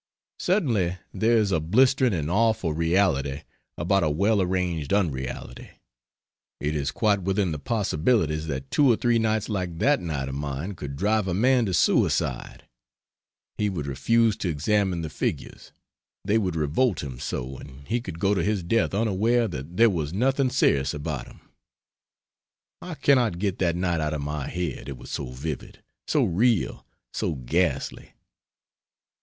Certainly there is a blistering and awful reality about a well arranged unreality. It is quite within the possibilities that two or three nights like that night of mine could drive a man to suicide. He would refuse to examine the figures; they would revolt him so, and he could go to his death unaware that there was nothing serious about them. I cannot get that night out of my head, it was so vivid, so real, so ghastly.